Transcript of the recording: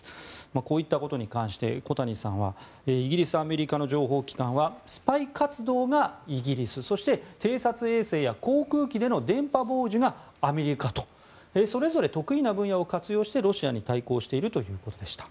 こういったことに関して小谷さんはイギリス、アメリカの情報機関はスパイ活動がイギリスそして、偵察衛星や航空機での電波傍受がアメリカとそれぞれ得意な分野を活用してロシアに対抗しているということでした。